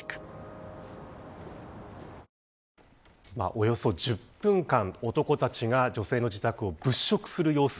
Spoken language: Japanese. およそ１０分間、男たちが女性の自宅を物色する様子